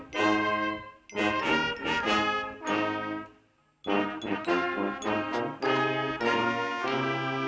pancasila tahun dua ribu dua puluh satu